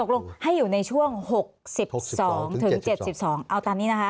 ลงให้อยู่ในช่วง๖๒ถึง๗๒เอาตามนี้นะคะ